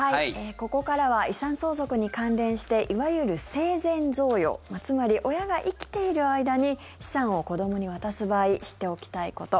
ここからは遺産相続に関連していわゆる生前贈与つまり親が生きている間に資産を子どもに渡す場合知っておきたいこと。